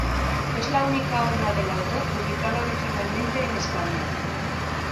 Es la única obra del autor publicada originalmente en España.